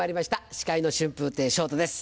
司会の春風亭昇太です